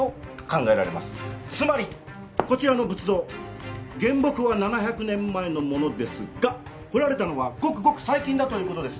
つまりこちらの仏像原木は７００年前のものですが彫られたのはごくごく最近だという事です。